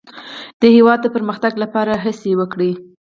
د هېواد د پرمختګ لپاره هڅې وکړئ.